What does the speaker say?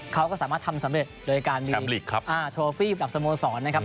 เขาก็สามารถทำสำเร็จโดยการมีโชฟี่กับสโมสรนะครับ